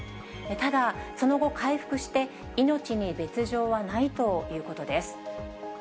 ただ、その後、回復して命に別状はないということです。